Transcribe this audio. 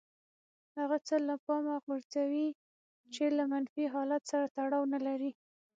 هغه څه له پامه غورځوي چې له منفي حالت سره تړاو نه لري.